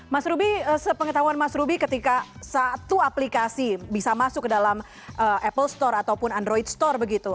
mas ruby sepengetahuan mas ruby ketika satu aplikasi bisa masuk ke dalam apple store ataupun android store begitu